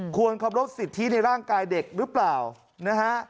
ควรเคารพสิทธิในร่างกายเด็กหรือเปล่านะฮะ